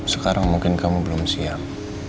sekarang mungkin kamu belum siap